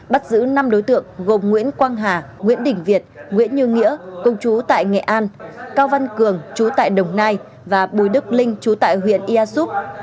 bắt giữ năm đối tượng gồm nguyễn quang hà nguyễn đỉnh việt nguyễn như nghĩa công chú tại nghệ an cao văn cường trú tại đồng nai và bùi đức linh trú tại huyện ia xúc